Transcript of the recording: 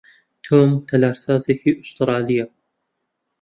تۆم تەلارسازێکی ئوسترالییە.